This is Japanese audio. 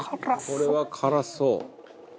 「これは辛そう」